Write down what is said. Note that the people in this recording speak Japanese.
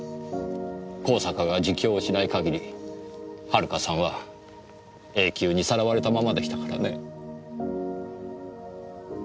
香坂が自供をしない限り遥さんは永久にさらわれたままでしたからね。